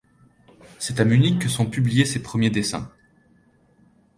C'est à Munich que sont publiés ses premiers dessins.